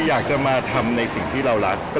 อยากจะมาทำในสิ่งที่เรารัก